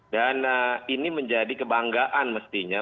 dan ini menjadi kebanggaan mestinya